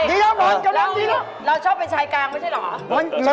เดี๋ยวเดี๋ยวเดี๋ยวเราชอบเป็นชายกลางไม่ใช่เหรอ